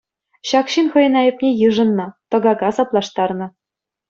Ҫак ҫын хӑйӗн айӑпне йышӑннӑ, тӑкака саплаштарнӑ.